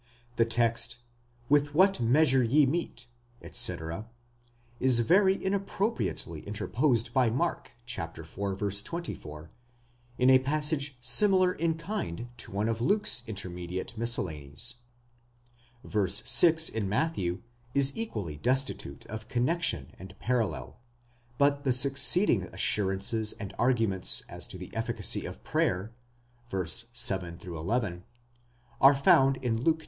The text, With what measure ye mete, etc., is very inappropriately interposed by Mark (iv. 24), in a passage similar in kind to one of Luke's intermediate miscellanies. V. 6, in Matthew, is equally destitute of connexion and parallel ; but the succeeding assurances and arguments as to the efficacy of prayer (v. 7 11), are found in Luke xi.